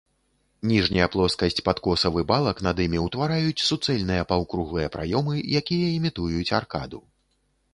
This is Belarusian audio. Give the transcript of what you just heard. Ніжняя плоскасць падкосаў і балак над імі ўтвараюць суцэльныя паўкруглыя праёмы, якія імітуюць аркаду.